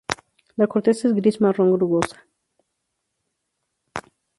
La corteza es gris-marrón rugosa.